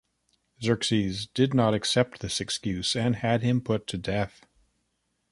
Xerxes did not accept this excuse, and had him put to death.